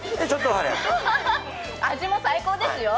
味も最高ですよ。